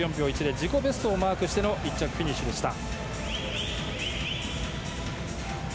自己ベストをマークしての１着フィニッシュでした。